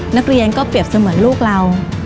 นักเรียนก็เปรียบเสมือนลูกเรา